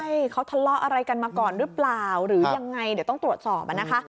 ใช่เขาทะเลาะอะไรกันมาก่อนหรือเปล่าหรือยังไงเดี๋ยวต้องตรวจสอบนะคะ